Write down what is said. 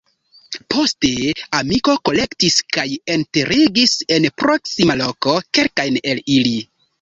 Poste amiko kolektis kaj enterigis en proksima loko kelkajn el ili.